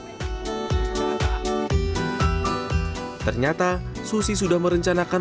ternyata susi sudah merencanakan untuk berjalan ke perahu dan berenang di laut lepas